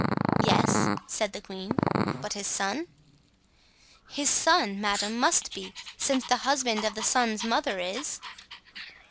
"Yes," said the queen; "but his son?" "His son, madame, must be, since the husband of the son's mother is."